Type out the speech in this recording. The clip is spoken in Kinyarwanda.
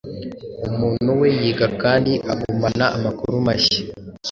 Umuntu wee yiga kandi agumana amakuru mahya